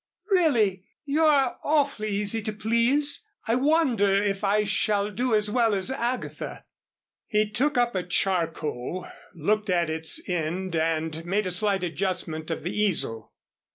"Really! You're awfully easy to please I wonder if I shall do as well as Agatha." He took up a charcoal looked at its end, and made a slight adjustment of the easel.